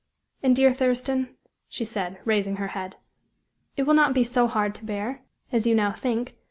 "And, dear Thurston," she said, raising her head, "it will not be so hard to bear, as you now think.